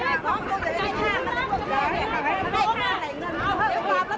ไอ้ลูกมันเข้าไหนไอ้ลูกมันว่า